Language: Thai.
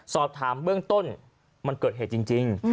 สอบถามเบื้องต้นมันเกิดเหตุจริง